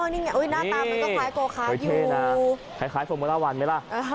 นี่ไงอุ้ยหน้าตามันก็คล้ายโกคาร์ดอยู่เท่นะคล้ายคล้ายฟอร์โมเลอร์วันไหมล่ะ